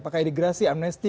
pakai degrasi amnesty